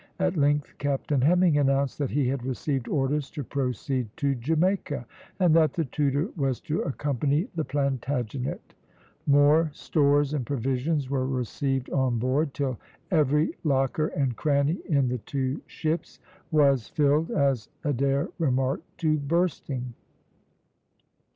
At length Captain Hemming announced that he had received orders to proceed to Jamaica, and that the Tudor was to accompany the Plantagenet. More stores and provisions were received on board, till every locker and cranny in the two ships was filled, as Adair remarked, to bursting.